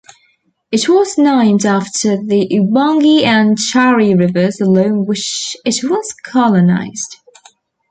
It was named after the Ubangi and Chari rivers along which it was colonised.